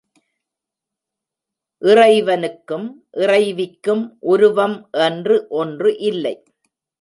இறைவனுக்கும் இறைவிக்கும் உருவம் என்று ஒன்று இல்லை.